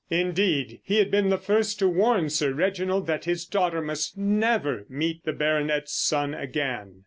Indeed, he had been the first to warn Sir Reginald that his daughter must never meet the baronet's son again.